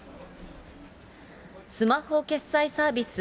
スマホ決裁サービス、